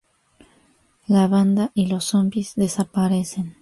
La banda y los zombis desaparecen.